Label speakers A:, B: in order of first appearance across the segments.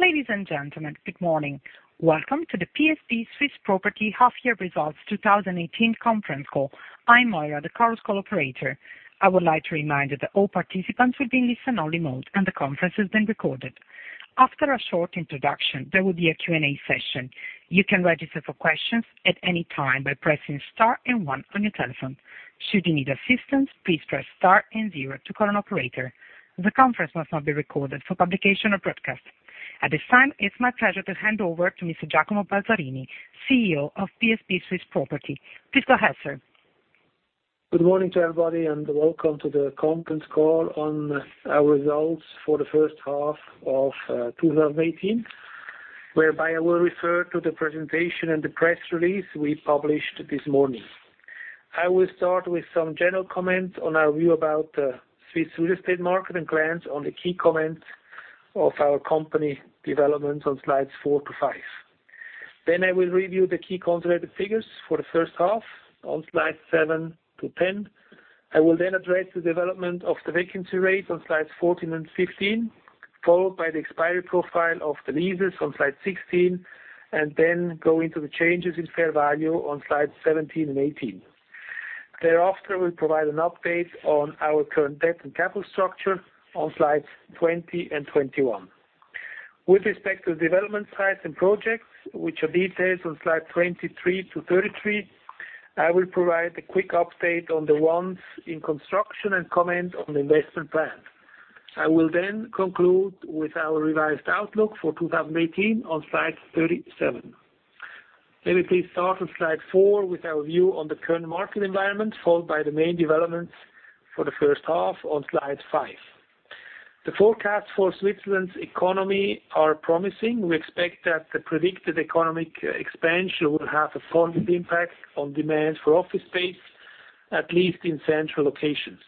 A: Ladies and gentlemen, good morning. Welcome to the PSP Swiss Property Half Year Results 2018 conference call. I'm Moira, the Chorus Call operator. I would like to remind you that all participants will be in listen-only mode, and the conference is being recorded. After a short introduction, there will be a Q&A session. You can register for questions at any time by pressing star and one on your telephone. Should you need assistance, please press star and zero to call an operator. The conference must not be recorded for publication or broadcast. At this time, it's my pleasure to hand over to Mr. Giacomo Balzarini, CEO of PSP Swiss Property. Please go ahead, sir.
B: Good morning to everybody, welcome to the conference call on our results for the first half of 2018, whereby I will refer to the presentation and the press release we published this morning. I will start with some general comments on our view about the Swiss real estate market and glance on the key comments of our company development on slides four to five. I will review the key contracted figures for the first half on slides seven to 10. I will address the development of the vacancy rate on slides 14 and 15, followed by the expiry profile of the leases on slide 16, and then go into the changes in fair value on slides 17 and 18. Thereafter, we'll provide an update on our current debt and capital structure on slides 20 and 21. With respect to the development sites and projects, which are detailed on slide 23 to 33, I will provide a quick update on the ones in construction and comment on the investment plan. I will conclude with our revised outlook for 2018 on slide 37. May we please start on slide four with our view on the current market environment, followed by the main developments for the first half on slide five. The forecasts for Switzerland's economy are promising. We expect that the predicted economic expansion will have a positive impact on demand for office space, at least in central locations.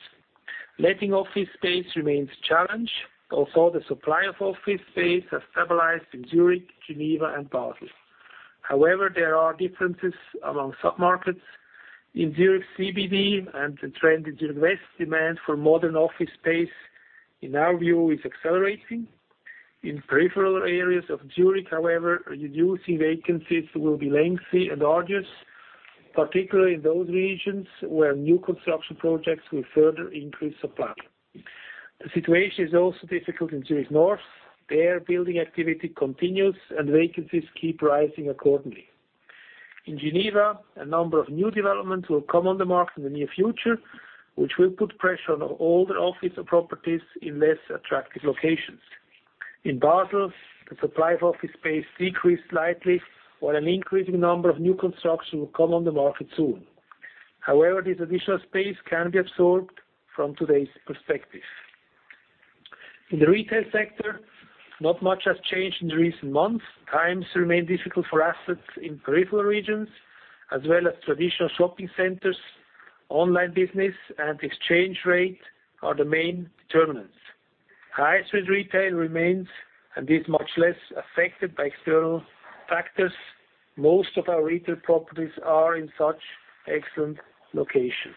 B: Letting office space remains a challenge, although the supply of office space has stabilized in Zurich, Geneva, and Basel. However, there are differences among sub-markets. In Zurich CBD and the trend in Zurich West, demand for modern office space, in our view, is accelerating. In peripheral areas of Zurich, however, reducing vacancies will be lengthy and arduous, particularly in those regions where new construction projects will further increase supply. The situation is also difficult in Zurich North. There, building activity continues, and vacancies keep rising accordingly. In Geneva, a number of new developments will come on the market in the near future, which will put pressure on older office properties in less attractive locations. In Basel, the supply of office space decreased slightly, while an increasing number of new construction will come on the market soon. However, this additional space can be absorbed from today's perspective. In the retail sector, not much has changed in recent months. Times remain difficult for assets in peripheral regions as well as traditional shopping centers. Online business and exchange rate are the main determinants. High street retail remains and is much less affected by external factors. Most of our retail properties are in such excellent locations.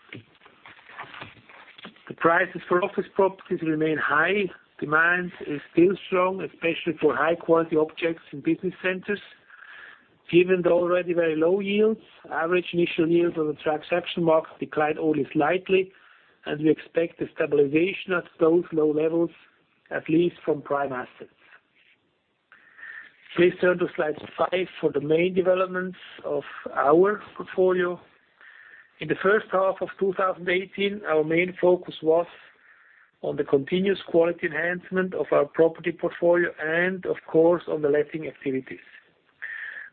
B: The prices for office properties remain high. Demand is still strong, especially for high-quality objects in business centers. Given the already very low yields, average initial yields on the transaction market declined only slightly, and we expect a stabilization at those low levels, at least from prime assets. Please turn to slide five for the main developments of our portfolio. In the first half of 2018, our main focus was on the continuous quality enhancement of our property portfolio and, of course, on the letting activities.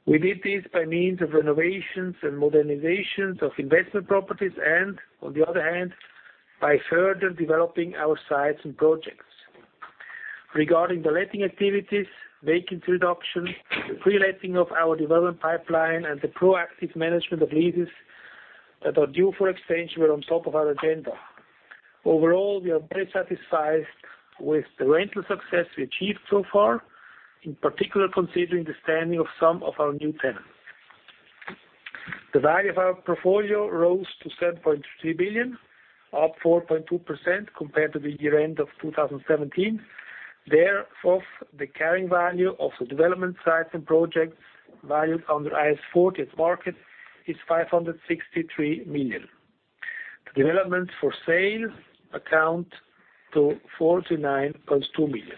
B: We did this by means of renovations and modernizations of investment properties and, on the other hand, by further developing our sites and projects. Regarding the letting activities, vacancy reduction, the pre-letting of our development pipeline, and the proactive management of leases that are due for extension were on top of our agenda. Overall, we are very satisfied with the rental success we achieved so far, in particular considering the standing of some of our new tenants. The value of our portfolio rose to 7.3 billion, up 4.2% compared to the year-end of 2017. The carrying value of the development sites and projects valued under IAS 40 at market is 563 million. The developments for sale account to 49.2 million.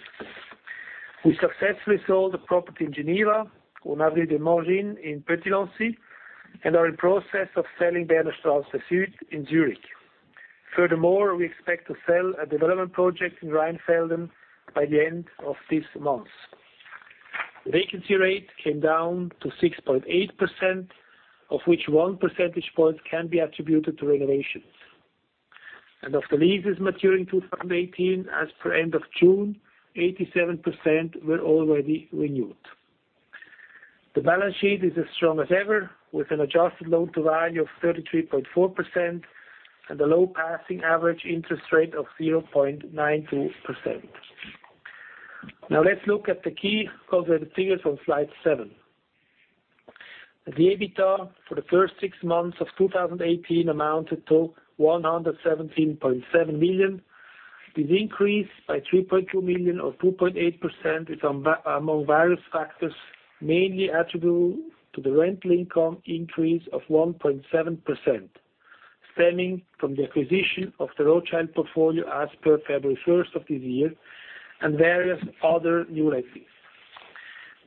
B: We successfully sold the property in Geneva, Avenue de Miremont in Petit-Lancy, and are in process of selling Bernstrasse Süd in Zurich. Furthermore, we expect to sell a development project in Rheinfelden by the end of this month. The vacancy rate came down to 6.8%, of which one percentage point can be attributed to renovations. Of the leases maturing in 2018, as per end of June, 87% were already renewed. The balance sheet is as strong as ever, with an adjusted loan-to-value of 33.4% and a low passing average interest rate of 0.92%. Let's look at the key contracted figures on slide seven. The EBITDA for the first six months of 2018 amounted to 117.7 million. This increase by 3.2 million or 2.8%, is among various factors, mainly attributable to the rental income increase of 1.7%, stemming from the acquisition of the Rothschild portfolio as per February 1st of this year, and various other new leases.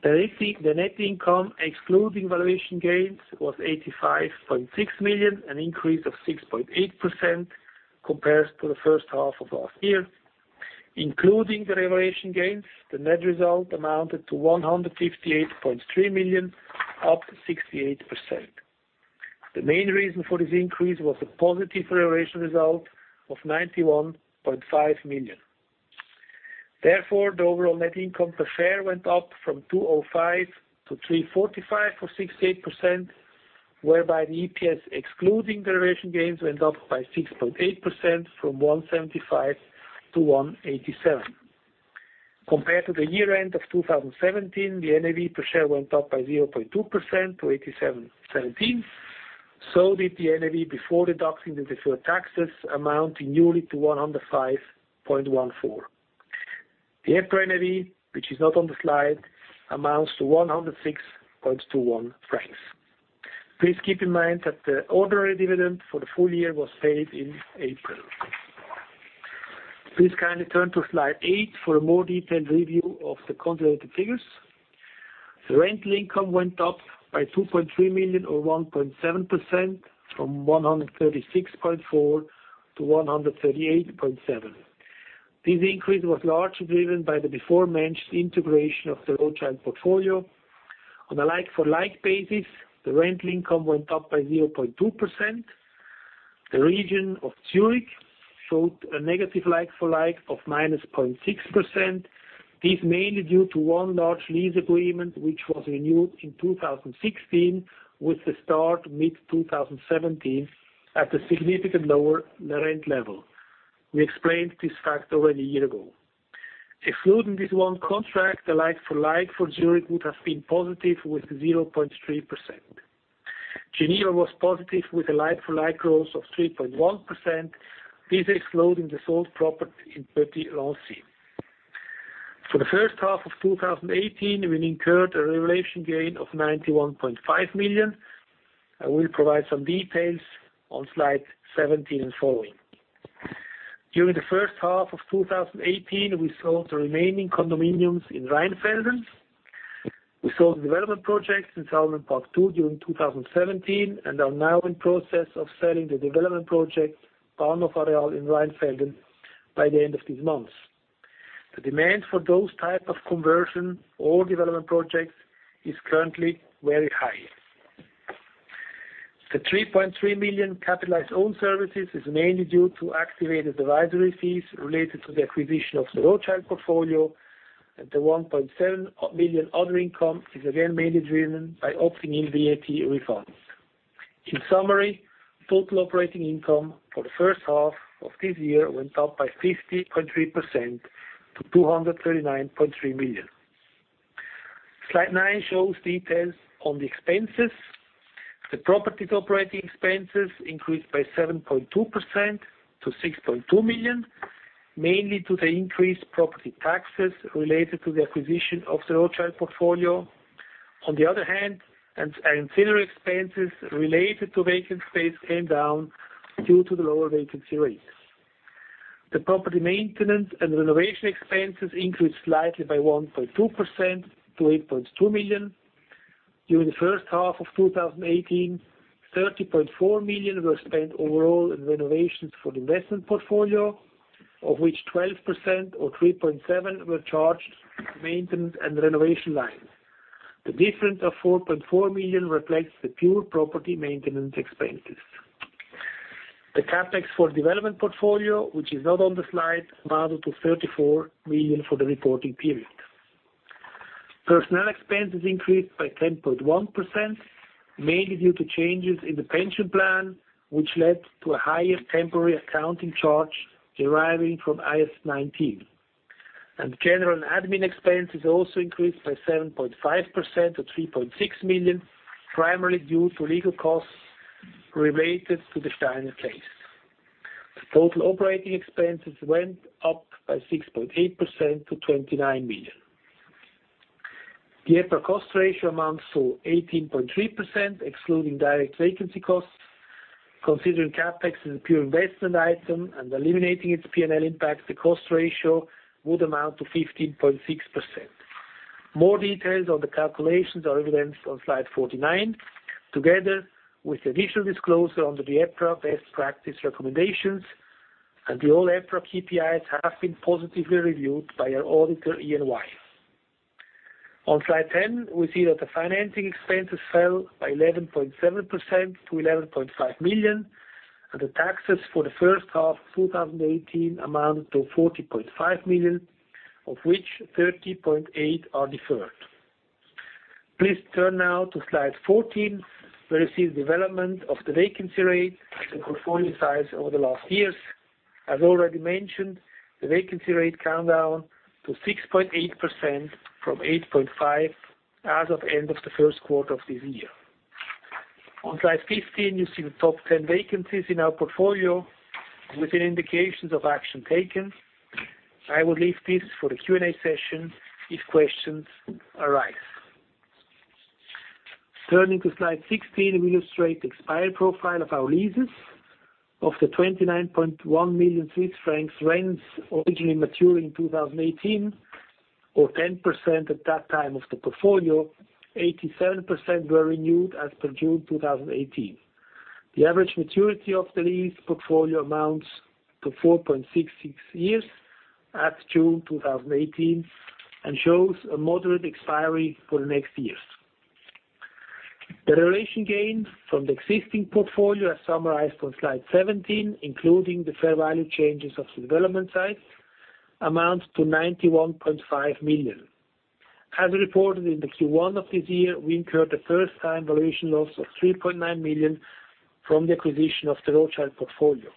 B: The net income excluding valuation gains was 85.6 million, an increase of 6.8% compared to the first half of last year. Including the valuation gains, the net result amounted to 158.3 million, up 68%. The main reason for this increase was a positive valuation result of 91.5 million. The overall net income per share went up from 2.05 to 3.45 for 68%, whereby the EPS excluding valuation gains went up by 6.8%, from 1.75 to 1.87. Compared to the year-end of 2017, the NAV per share went up by 0.2% to 87.17. Did the NAV before deducting the deferred taxes amounting newly to 105.14. The EPRA NAV, which is not on the slide, amounts to 106.21 francs. Please keep in mind that the ordinary dividend for the full year was paid in April. Please kindly turn to slide eight for a more detailed review of the consolidated figures. The rental income went up by 2.3 million or 1.7% from 136.4 to 138.7. This increase was largely driven by the before-mentioned integration of the Rothschild portfolio. On a like-for-like basis, the rental income went up by 0.2%. The region of Zurich showed a negative like-for-like of -0.6%. This mainly due to one large lease agreement, which was renewed in 2016, with the start mid-2017 at a significantly lower rent level. We explained this fact already a year ago. Excluding this one contract, the like-for-like for Zurich would have been positive with 0.3%. Geneva was positive with a like-for-like growth of 3.1%. This excluding the sold property in Petit-Lancy. For the first half of 2018, we incurred a valuation gain of 91.5 million. I will provide some details on slide 17 and following. During the first half of 2018, we sold the remaining condominiums in Rheinfelden. We sold the development projects in Salmenpark II during 2017, and are now in process of selling the development project, Bahnhof Areal in Rheinfelden, by the end of this month. The demand for those type of conversion or development projects is currently very high. The 3.3 million capitalized own services is mainly due to activated advisory fees related to the acquisition of the Rothschild portfolio, and the 1.7 million other income is again mainly driven by opting in VAT refunds. In summary, total operating income for the first half of this year went up by 50.3% to 239.3 million. Slide 9 shows details on the expenses. The property's operating expenses increased by 7.2% to 6.2 million, mainly due to the increased property taxes related to the acquisition of the Rothschild portfolio. On the other hand, ancillary expenses related to vacant space came down due to the lower vacancy rates. The property maintenance and renovation expenses increased slightly by 1.2% to 8.2 million. During the first half of 2018, 30.4 million were spent overall in renovations for the investment portfolio, of which 12% or 3.7 million were charged to the maintenance and renovation line. The difference of 4.4 million reflects the pure property maintenance expenses. The CapEx for development portfolio, which is not on the slide, amounted to 34 million for the reporting period. Personnel expenses increased by 10.1%, mainly due to changes in the pension plan, which led to a higher temporary accounting charge deriving from IAS 19. General and admin expenses also increased by 7.5% to 3.6 million, primarily due to legal costs related to the Steiner case. The total operating expenses went up by 6.8% to 29 million. The EPRA Cost Ratio amounts to 18.3%, excluding direct vacancy costs. Considering CapEx as a pure investment item and eliminating its P&L impact, the cost ratio would amount to 15.6%. More details on the calculations are evidenced on slide 49, together with the additional disclosure under the EPRA best practice recommendations, and the all EPRA KPIs have been positively reviewed by our auditor, EY. On slide 10, we see that the financing expenses fell by 11.7% to 11.5 million, and the taxes for the first half of 2018 amounted to 40.5 million, of which 30.8 million are deferred. Please turn now to slide 14, where you see the development of the vacancy rate and portfolio size over the last years. As already mentioned, the vacancy rate came down to 6.8% from 8.5% as of end of the first quarter of this year. On slide 15, you see the top 10 vacancies in our portfolio with an indication of action taken. I will leave this for the Q&A session if questions arise. Turning to slide 16, we illustrate the expiry profile of our leases. Of the 29.1 million Swiss francs rents originally maturing in 2018, or 10% at that time of the portfolio, 87% were renewed as per June 2018. The average maturity of the lease portfolio amounts to 4.66 years at June 2018, and shows a moderate expiry for the next years. The valuation gain from the existing portfolio, as summarized on slide 17, including the fair value changes of the development sites, amounts to 91.5 million. As reported in the Q1 of this year, we incurred a first-time valuation loss of 3.9 million from the acquisition of the Rothschild portfolio.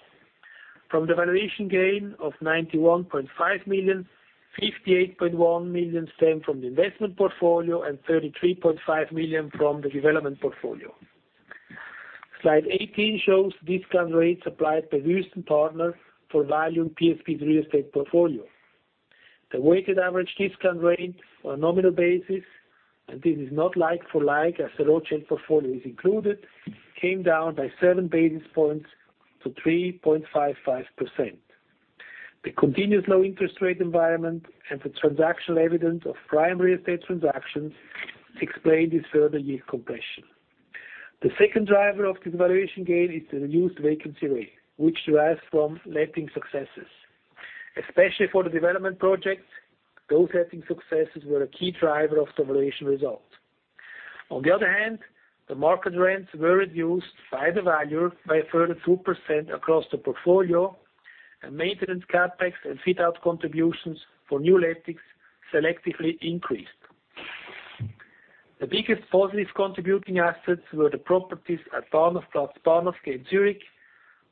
B: From the valuation gain of 91.5 million, 58.1 million came from the investment portfolio and 33.5 million from the development portfolio. Slide 18 shows discount rates applied by Wüest Partner for valuing PSP's real estate portfolio. The weighted average discount rate on a nominal basis, this is not like-for-like as the Rothschild portfolio is included, came down by seven basis points to 3.55%. The continuous low interest rate environment and the transactional evidence of prime real estate transactions explain this further yield compression. The second driver of this valuation gain is the reduced vacancy rate, which derives from letting successes. Especially for the development projects, those letting successes were a key driver of the valuation result. On the other hand, the market rents were reduced by the valuer by a further 2% across the portfolio, and maintenance CapEx and fit-out contributions for new lettings selectively increased. The biggest positive contributing assets were the properties at Bahnhofplatz/Bahnhofsgasse in Zurich,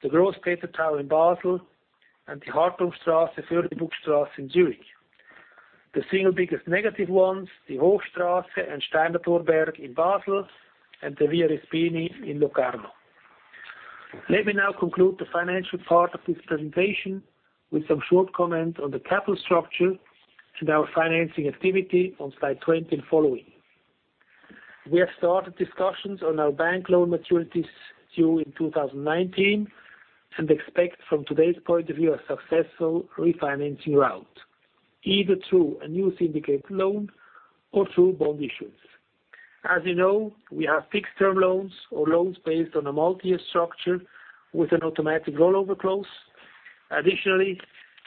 B: the Grosspeter Tower in Basel, and the Hardturmstrasse/Förrlibuckstrasse in Zurich. The single biggest negative ones, the Hochstrasse and Steinentorberg in Basel, and the Via Gioacchino Respini in Locarno. Let me now conclude the financial part of this presentation with some short comments on the capital structure and our financing activity on slide 20 following. We have started discussions on our bank loan maturities due in 2019, expect from today's point of view, a successful refinancing route, either through a new syndicate loan or through bond issues. As you know, we have fixed-term loans or loans based on a multi-year structure with an automatic rollover clause. Additionally,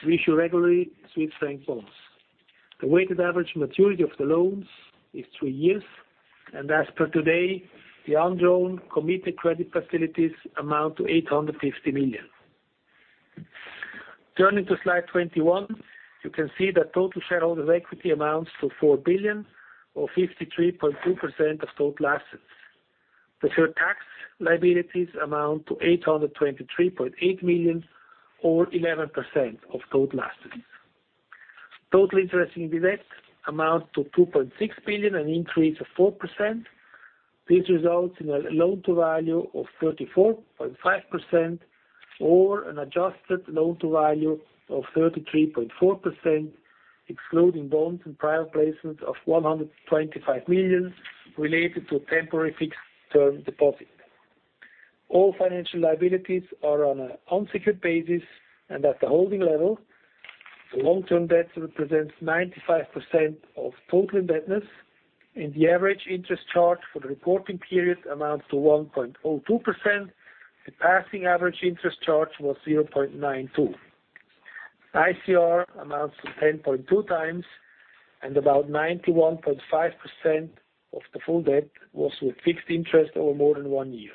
B: we issue regularly Swiss franc bonds. The weighted average maturity of the loans is three years, and as per today, the undrawn committed credit facilities amount to 850 million. Turning to slide 21, you can see that total shareholders' equity amounts to 4 billion or 53.2% of total assets. Deferred tax liabilities amount to 823.8 million or 11% of total assets. Total interest-bearing debt amounts to 2.6 billion, an increase of 4%. This results in a loan-to-value of 34.5% or an adjusted loan-to-value of 33.4%, excluding bonds and private placements of 125 million related to a temporary fixed-term deposit. All financial liabilities are on an unsecured basis and at the holding level. The long-term debt represents 95% of total indebtedness, and the average interest charge for the reporting period amounts to 1.02%. The passing average interest charge was 0.92%. ICR amounts to 10.2 times, and about 91.5% of the full debt was with fixed interest over more than one year.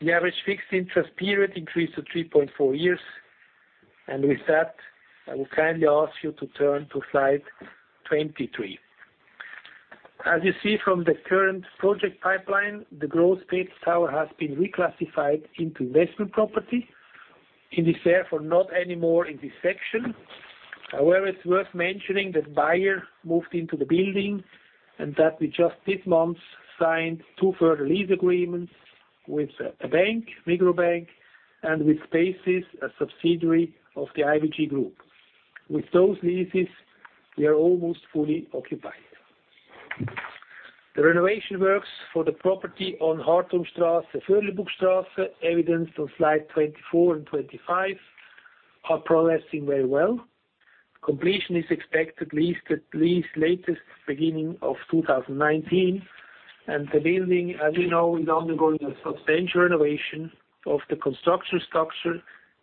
B: The average fixed interest period increased to 3.4 years. With that, I will kindly ask you to turn to slide 23. As you see from the current project pipeline, the Grosspeter Tower has been reclassified into investment property. It is therefore not any more in this section. It's worth mentioning that Bayer moved into the building and that we just this month signed two further lease agreements with a bank, Migros Bank, and with Spaces, a subsidiary of the IWG group. With those leases, we are almost fully occupied. The renovation works for the property on Hardturmstrasse/Förrlibuckstrasse, evidenced on slide 24 and 25, are progressing very well. Completion is expected at least latest beginning of 2019. The building, as you know, is undergoing a substantial renovation of the construction structure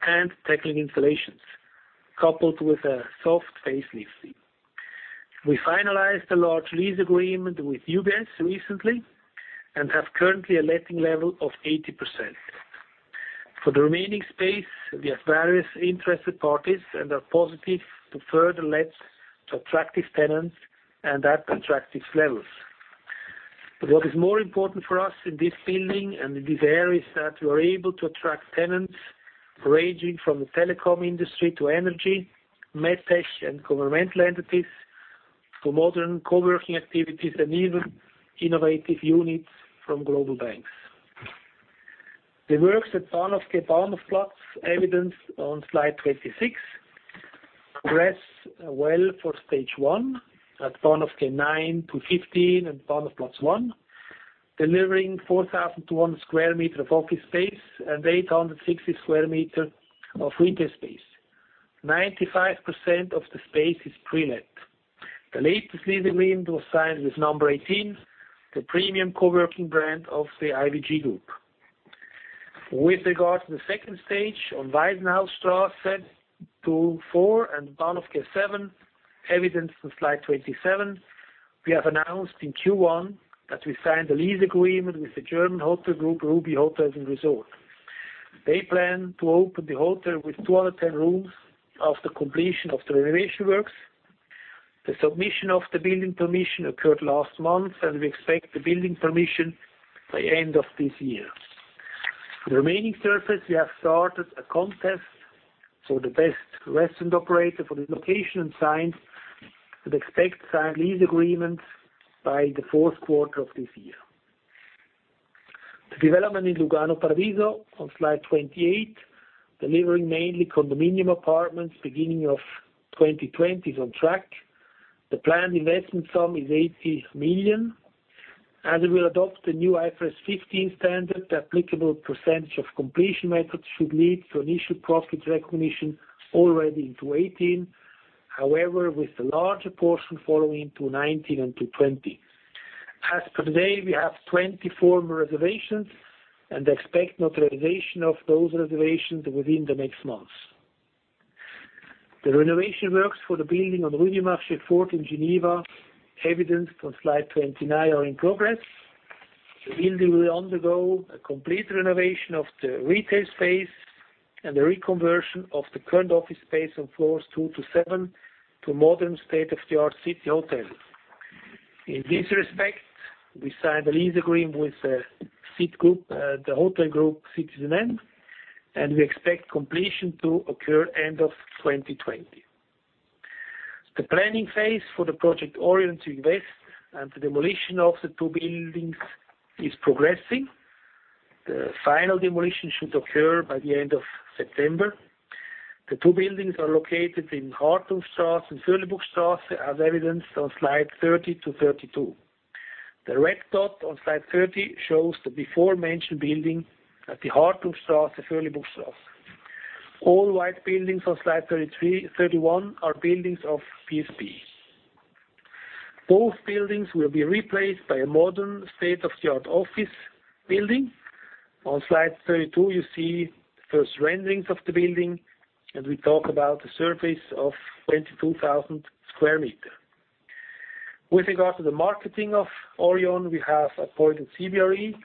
B: and technical installations, coupled with a soft facelift. We finalized a large lease agreement with UBS recently and have currently a letting level of 80%. For the remaining space, we have various interested parties and are positive to further let to attractive tenants and at attractive levels. What is more important for us in this building and in these areas is that we are able to attract tenants ranging from the telecom industry to energy, MedTech, and governmental entities, to modern co-working activities, and even innovative units from global banks. The works at Bahnhofstrasse / Bahnhofplatz evidenced on slide 26, progress well for stage 1 at Bahnhofstrasse nine to 15 and Bahnhofplatz one, delivering 4,001 sq m of office space and 860 sq m of retail space. 95% of the space is pre-let. The latest leasing agreement was signed with No18, the premium co-working brand of the IWG Group. With regard to stage 2 on Waisenhausstrasse 2-4 and Bahnhofstrasse seven, evidenced on slide 27, we have announced in Q1 that we signed a lease agreement with the German hotel group Ruby Hotels and Resorts. They plan to open the hotel with 210 rooms after completion of the renovation works. The submission of the building permission occurred last month. We expect the building permission by end of this year. For the remaining surface, we have started a contest for the best restaurant operator for the location and signs. We expect to sign lease agreements by the fourth quarter of this year. The development in Lugano Paradiso on slide 28, delivering mainly condominium apartments beginning of 2020, is on track. The planned investment sum is 80 million. As we will adopt the new IFRS 15 standard, the applicable percentage of completion methods should lead to initial profit recognition already in 2018. With a larger portion following in 2019 and 2020. As per today, we have 24 reservations and expect notarization of those reservations within the next months. The renovation works for the building on Rue du Marché four in Geneva, evidenced on slide 29, are in progress. The building will undergo a complete renovation of the retail space and the reconversion of the current office space on floors 2 to 7 to a modern state-of-the-art city hotel. In this respect, we signed a lease agreement with the hotel group CitizenM. We expect completion to occur end of 2020. The planning phase for the Project Orion to invest and the demolition of the 2 buildings is progressing. The final demolition should occur by the end of September. The 2 buildings are located in Hardturmstrasse and Förrlibuckstrasse, as evidenced on slide 30 to 32. The red dot on slide 30 shows the beforementioned building at the Hardturmstrasse and Förrlibuckstrasse. All white buildings on slide 31 are buildings of PSP. Both buildings will be replaced by a modern state-of-the-art office building. On slide 32, you see first renderings of the building, and we talk about a surface of 22,000 sq m. With regard to the marketing of Orion, we have appointed CBRE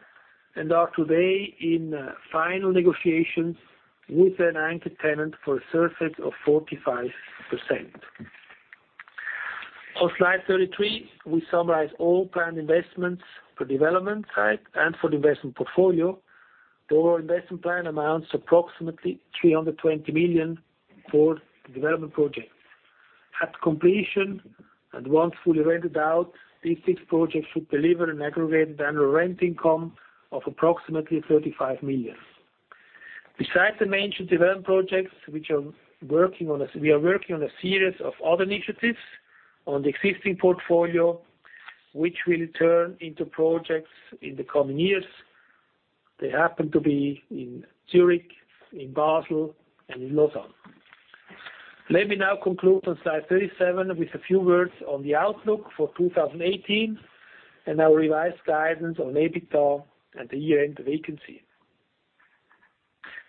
B: and are today in final negotiations with an anchor tenant for a surface of 45%. On slide 33, we summarize all planned investments for development sites and for the investment portfolio. The overall investment plan amounts approximately 320 million for the development projects. At completion, and once fully rented out, these six projects should deliver an aggregate annual rent income of approximately 35 million. Besides the mentioned development projects, we are working on a series of other initiatives on the existing portfolio, which will turn into projects in the coming years. They happen to be in Zurich, in Basel, and in Lausanne. Let me now conclude on slide 37 with a few words on the outlook for 2018 and our revised guidance on EBITDA and the year-end vacancy.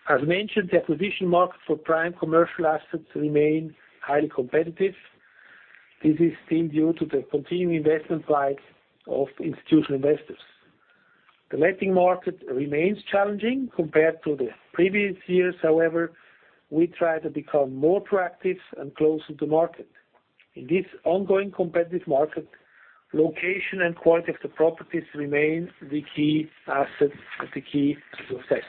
B: As mentioned, the acquisition market for prime commercial assets remains highly competitive. This is still due to the continuing investment slide of institutional investors. The letting market remains challenging compared to the previous years. However, we try to become more proactive and closer to market. In this ongoing competitive market, location and quality of the properties remain the key assets to success.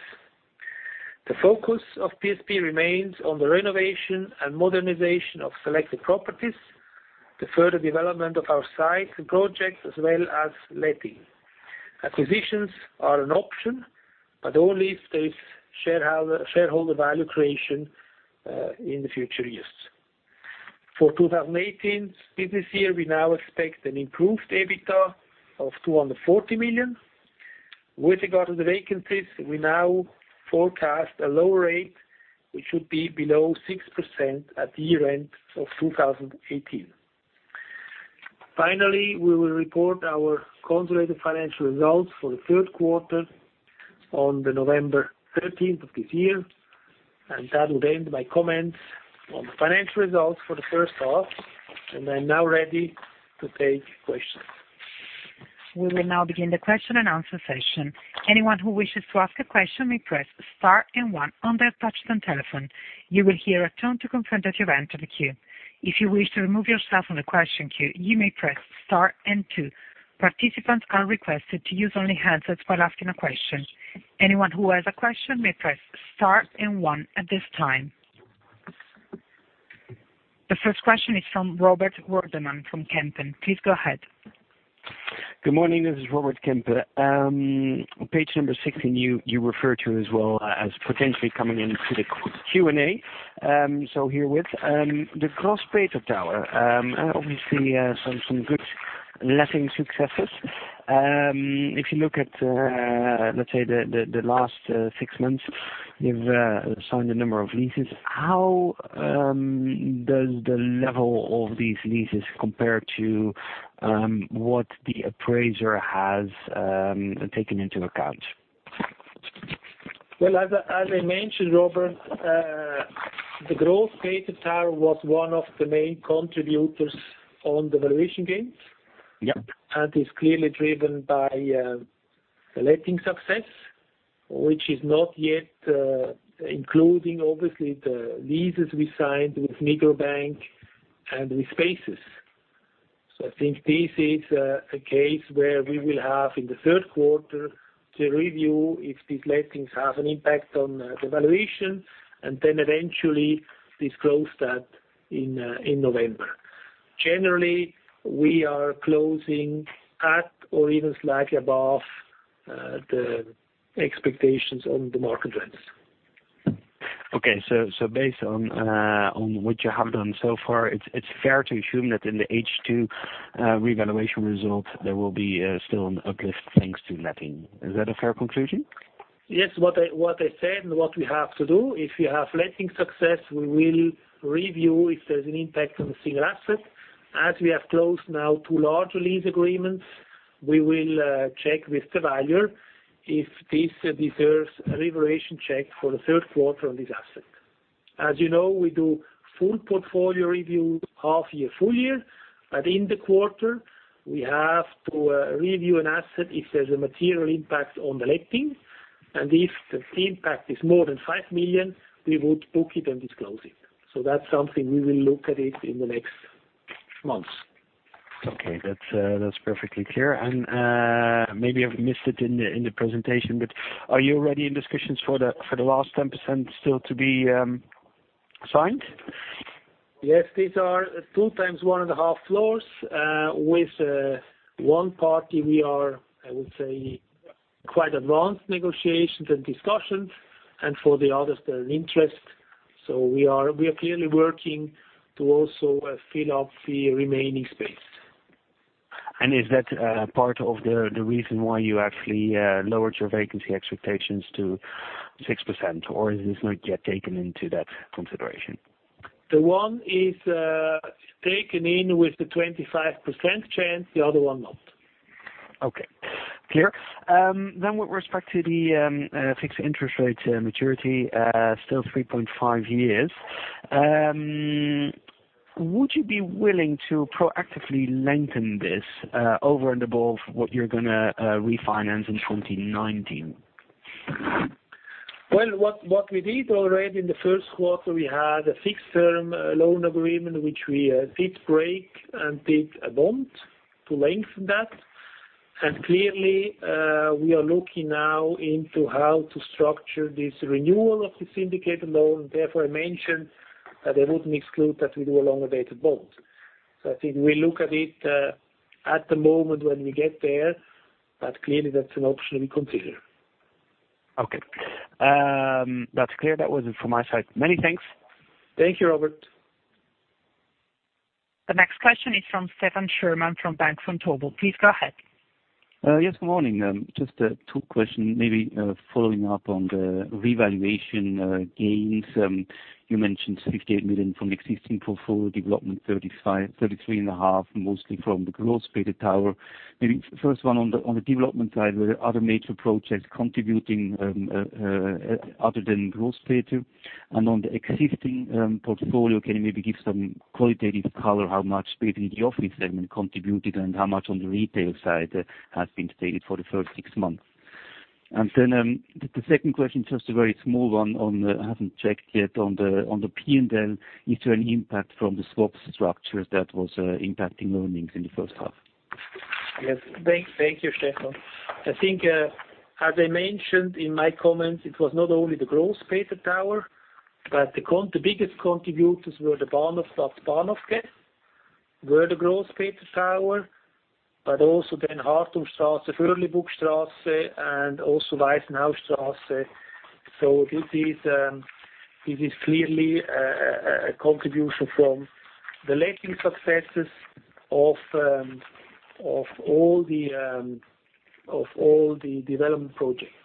B: The focus of PSP remains on the renovation and modernization of selected properties, the further development of our sites and projects, as well as letting. Acquisitions are an option, but only if there is shareholder value creation in the future years. For 2018's business year, we now expect an improved EBITDA of 240 million. With regard to the vacancies, we now forecast a low rate, which should be below 6% at the year-end of 2018. Finally, we will report our consolidated financial results for the third quarter on November 13th of this year. That would end my comments on the financial results for the first half, and I'm now ready to take questions.
A: We will now begin the question and answer session. Anyone who wishes to ask a question may press star and one on their touch-tone telephone. You will hear a tone to confirm that you entered the queue. If you wish to remove yourself from the question queue, you may press star and two. Participants are requested to use only handsets while asking a question. Anyone who has a question may press star and one at this time. The first question is from Robert Woerdeman from Kempen. Please go ahead.
C: Good morning. This is Robert Wordeman. On page number 16, you referred to as well as potentially coming into the Q&A. Herewith, the Grosspeter Tower. Obviously, some good letting successes. If you look at, let's say the last six months, you've signed a number of leases. How does the level of these leases compare to what the appraiser has taken into account?
B: Well, as I mentioned, Robert, the Grosspeter Tower was one of the main contributors on the valuation gains.
C: Yep.
B: Is clearly driven by letting success, which is not yet including obviously the leases we signed with Migros Bank and with Spaces. I think this is a case where we will have in the third quarter to review if these lettings have an impact on the valuation, then eventually disclose that in November. Generally, we are closing at or even slightly above the expectations on the market rents.
C: Okay. Based on what you have done so far, it's fair to assume that in the H2 revaluation results, there will be still an uplift thanks to letting. Is that a fair conclusion?
B: Yes. What I said and what we have to do, if we have letting success, we will review if there's an impact on the single asset. As we have closed now two large lease agreements, we will check with the valuer if this deserves a revaluation check for the third quarter on this asset. As you know, we do full portfolio review half year, full year. In the quarter, we have to review an asset if there's a material impact on the letting, and if the impact is more than 5 million, we would book it and disclose it. That's something we will look at it in the next months.
C: Okay. That's perfectly clear. Maybe I've missed it in the presentation, but are you already in discussions for the last 10% still to be signed?
B: Yes, these are two times one and a half floors. With one party we are, I would say, quite advanced negotiations and discussions, and for the others, there are interest. We are clearly working to also fill up the remaining space.
C: Is that part of the reason why you actually lowered your vacancy expectations to 6%? Is this not yet taken into that consideration?
B: The one is taken in with the 25% chance, the other one not.
C: Okay, clear. With respect to the fixed interest rate maturity, still 3.5 years. Would you be willing to proactively lengthen this over and above what you're going to refinance in 2019?
B: Well, what we did already in the first quarter, we had a fixed-term loan agreement, which we did break and did a bond to lengthen that. Clearly, we are looking now into how to structure this renewal of the syndicated loan. Therefore, I mentioned that I wouldn't exclude that we do a longer-dated bond. I think we look at it at the moment when we get there, but clearly, that's an option we consider.
C: Okay. That's clear. That was it from my side. Many thanks.
B: Thank you, Robert.
A: The next question is from Stefan Schürmann from Bank Vontobel. Please go ahead.
D: Yes, good morning. Just two questions, maybe following up on the revaluation gains. You mentioned 58 million from the existing portfolio development, 33.5 million, mostly from the Grosspeter Tower. Maybe first one on the development side, were there other major projects contributing other than Grosspeter? On the existing portfolio, can you maybe give some qualitative color, how much maybe the office segment contributed and how much on the retail side has been stated for the first six months? The second question, just a very small one on the, I haven't checked yet on the P&L, is there an impact from the swap structure that was impacting earnings in the first half?
B: Yes. Thank you, Stefan. I think as I mentioned in my comments, it was not only the Grosspeter Tower, but the biggest contributors were the Bahnhofstrasse, Bahnhofquai, were the Grosspeter Tower, but also Hardturmstrasse, Förrlibuckstrasse, and also Waisenhausstrasse. This is clearly a contribution from the letting successes of all the development projects.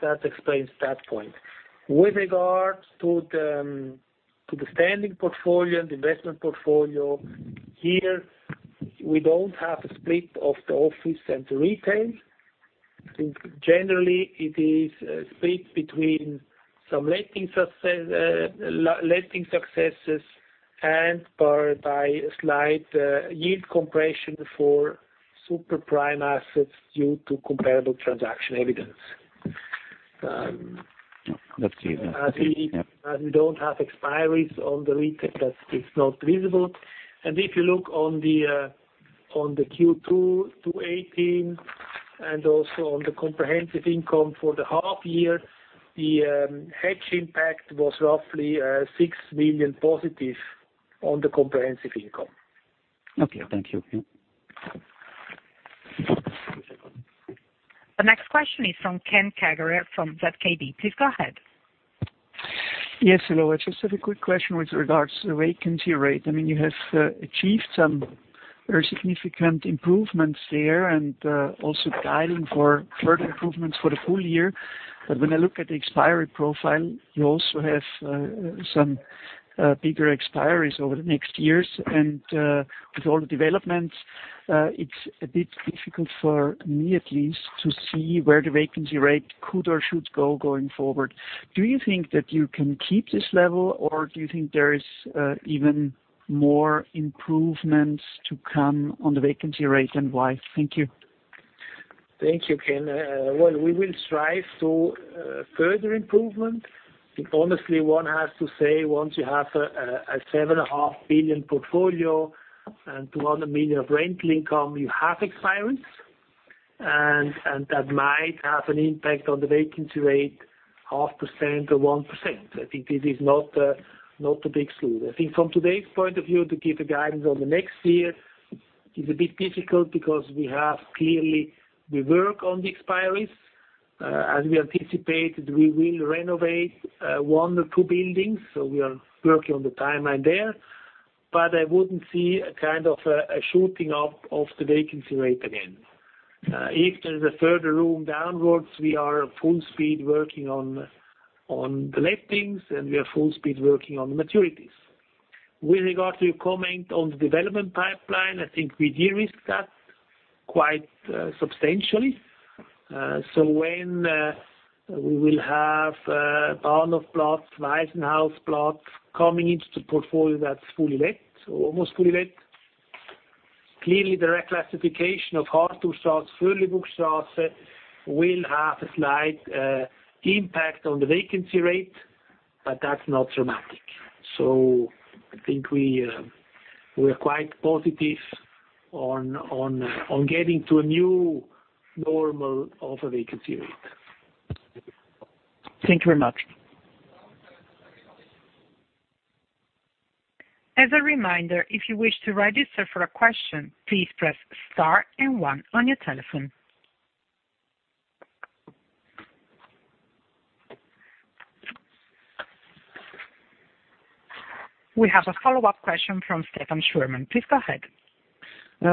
B: That explains that point. With regard to the standing portfolio and investment portfolio, here, we don't have a split of the office and the retail. I think generally it is a split between some letting successes and/or by a slight yield compression for super prime assets due to comparable transaction evidence.
D: That's it, yeah.
B: We don't have expiries on the retail, that is not visible. If you look on the Q2 2018 and also on the comprehensive income for the half year, the hedge impact was roughly 6 million positive on the comprehensive income.
D: Okay, thank you.
A: The next question is from Ken Kagerer from ZKB. Please go ahead.
E: Yes, hello. I just have a quick question with regards to the vacancy rate. You have achieved some very significant improvements there and also guiding for further improvements for the full year. When I look at the expiry profile, you also have some bigger expiries over the next years. With all the developments, it's a bit difficult for me at least, to see where the vacancy rate could or should go, going forward. Do you think that you can keep this level, or do you think there is even more improvements to come on the vacancy rate, and why? Thank you.
B: Thank you, Ken. We will strive to further improvement. Honestly, one has to say, once you have a 7.5 billion portfolio and 200 million of rental income, you have expiries. That might have an impact on the vacancy rate, 0.5% or 1%. I think this is not to be excluded. I think from today's point of view, to give a guidance on the next year is a bit difficult, because we have clearly the work on the expiries. As we anticipated, we will renovate one or two buildings, so we are working on the timeline there. I wouldn't see a kind of a shooting up of the vacancy rate again. If there's a further room downwards, we are full speed working on the lettings, and we are full speed working on the maturities. With regard to your comment on the development pipeline, I think we de-risked that quite substantially. When we will have Bahnhofplatz, Waisenhausplatz coming into the portfolio, that's fully let, or almost fully let. Clearly, the reclassification of Hardturmstrasse, Förrlibuckstrasse will have a slight impact on the vacancy rate, but that's not dramatic. I think we are quite positive on getting to a new normal of a vacancy rate.
E: Thank you very much.
A: As a reminder, if you wish to register for a question, please press Star and One on your telephone. We have a follow-up question from Stefan Schürmann. Please go ahead.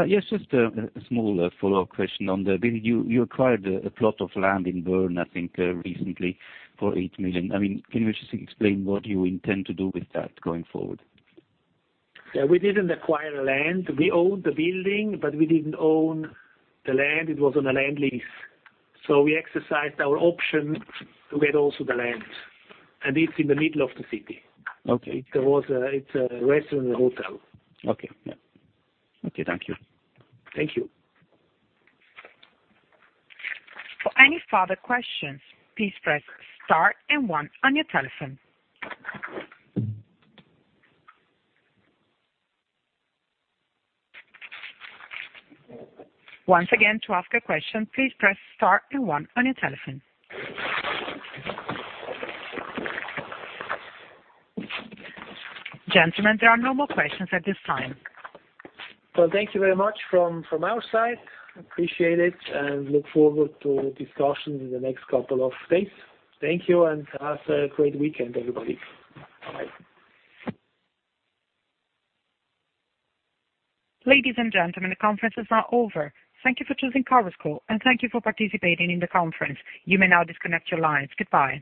D: Yes, just a small follow-up question on the bid. You acquired a plot of land in Bern, I think, recently for 8 million. Can you just explain what you intend to do with that going forward?
B: We didn't acquire land. We owned the building, but we didn't own the land. It was on a land lease. We exercised our option to get also the land, it's in the middle of the city.
D: Okay. It's a restaurant and a hotel. Okay. Yeah. Okay, thank you.
B: Thank you.
A: For any further questions, please press Star and One on your telephone. Once again, to ask a question, please press Star and One on your telephone. Gentlemen, there are no more questions at this time.
B: Well, thank you very much from our side. Appreciate it. Look forward to discussions in the next couple of days. Thank you. Have a great weekend, everybody. Bye-bye.
A: Ladies and gentlemen, the conference is now over. Thank you for choosing Chorus Call, and thank you for participating in the conference. You may now disconnect your lines. Goodbye.